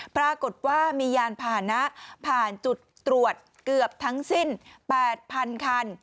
ปรากฏว่ามียานผ่านะผ่านจุดตรวจเกือบทั้งสิ้น๘๐๐๐คัน